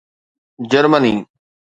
Germany